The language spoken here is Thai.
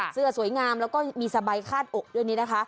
เสื้อสวยงามแล้วก็มีสบายคาดอกด้วยนี้นะคะ